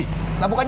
hai allah jt sayang